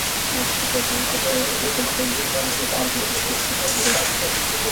অ্যাপটি ব্যবহার করতে রবি গ্রাহকদের মুঠোফোনে শুধু ইন্টারনেট সংযোগ থাকতে হবে।